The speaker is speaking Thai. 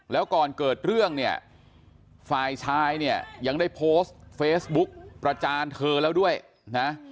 แล้วก่อนเกิดเรื่องเนี่ยฝ่ายชายเนี่ยยังได้โพสต์เฟซบุ๊กประจานเธอแล้วด้วยนะ